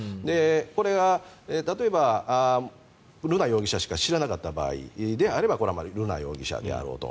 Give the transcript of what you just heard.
これが例えば瑠奈容疑者しか知らなかった場合であればこれは瑠奈容疑者であろうと。